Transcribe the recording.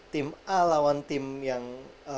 tim a lawan tim yang